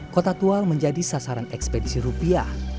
kota tua menjadi sasaran ekspedisi rupiah